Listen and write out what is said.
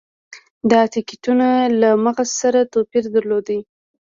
دا تکتیکونه له مغز سره توپیر درلود.